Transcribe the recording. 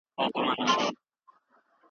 په روټین کې وخت ډېر تېریږي.